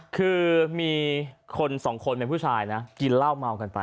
คือมีคนสองคนเป็นผู้ชายนะกินเหล้าเมากันไป